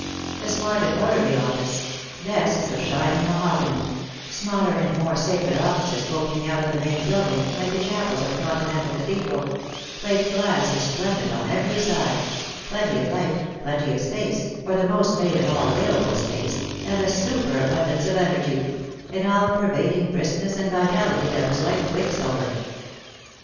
A smart and orderly office; desks of shining mahogany; smaller and more sacred offices opening out of the main building, like the chapels of a continental cathedral; plate glass resplendent on every side; plenty of light, plenty of space, or the most made of all avail able space, and a superabundance of energy — an all pervading briskness and vitality that was like quicksilver.